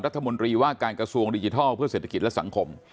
รัฐมนตรีว่าการกระทรวงดิจิทัลเพื่อเศรษฐกิจและสังคม